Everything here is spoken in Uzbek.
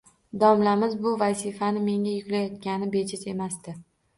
Domlamiz bu vazifani menga yuklayotgani bejiz emasdi